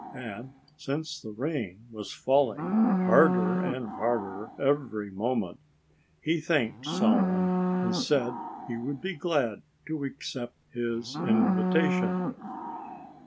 And since the rain was falling harder and harder every moment, he thanked Solomon and said he would be glad to accent his invitation.